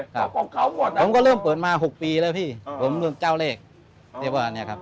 ครับจ๊ะผมเริ่มเปิดมา๖ปีแล้วพี่จ้าวอุมารยากีภาพประวาทครับ